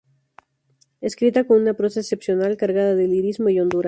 Escrita con una prosa excepcional, cargada de lirismo y hondura.